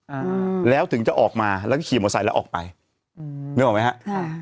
อ่าแล้วถึงจะออกมาแล้วก็ขี่มอไซค์แล้วออกไปอืมนึกออกไหมฮะค่ะ